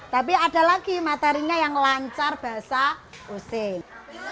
tapi ada lagi materinya yang lancar bahasa usin